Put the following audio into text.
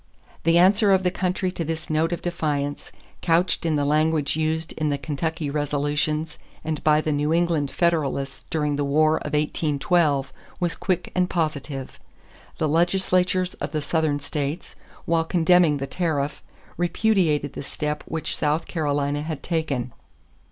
_ The answer of the country to this note of defiance, couched in the language used in the Kentucky resolutions and by the New England Federalists during the war of 1812, was quick and positive. The legislatures of the Southern states, while condemning the tariff, repudiated the step which South Carolina had taken.